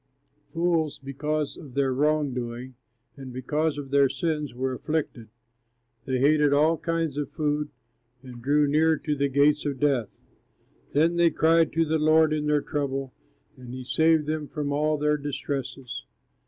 Fools because of their wrong doing, And because of their sins were afflicted; They hated all kinds of food, And drew near to the gates of death. Then they cried to the Lord in their trouble, And he saved them from all their distresses.